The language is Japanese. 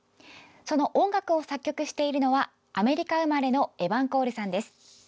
その音楽を作曲しているのはアメリカ生まれのエバン・コールさんです。